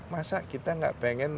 masa kita tidak ingin